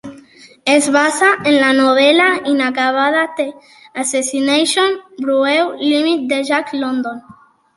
Es basa en la novel·la inacabada "The Assassination Bureau, Limited" de Jack London.